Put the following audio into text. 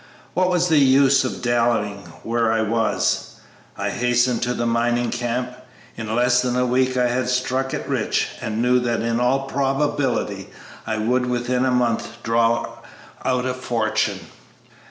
What was the use of dallying where I was? I hastened to the mining camp. In less than a week I had 'struck it rich,' and knew that in all probability I would within a month draw out a fortune.